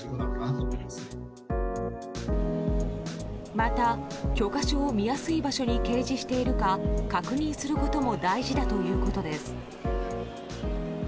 また、許可証を見やすい場所に掲示しているか確認することも大事だということです。